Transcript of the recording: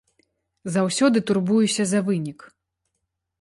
Заўсёды турбуюся за вынік.